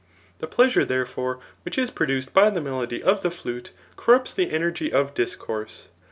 ] The pleasure, therefore, which is produced by the melody of the flute, corrupts the energy of discourse.